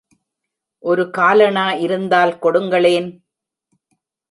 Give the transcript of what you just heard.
ஒரு காலணா இருந்தால் கொடுங்களேன்.